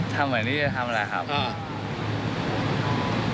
ทำแบบที่จะทำแบบนี้๖๐๐๐